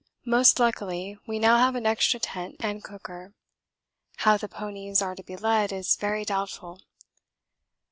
Most luckily we now have an extra tent and cooker. How the ponies are to be led is very doubtful.